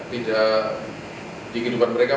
tidak di kehidupan mereka